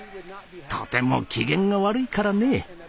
とても機嫌が悪いからね。